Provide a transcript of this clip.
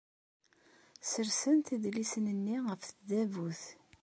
Ssersent idlisen-nni ɣef tdabut.